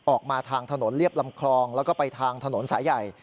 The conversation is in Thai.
ออกมาทางถนนเรียบลำคลองแล้วก็ไปทางถนนสายใหญ่